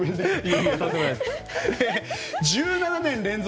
１７年連続